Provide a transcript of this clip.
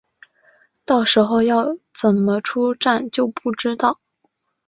到时候要怎么出站就不知道